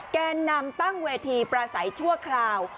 แกนนำตั้งเวทีประสัยชั่วคราว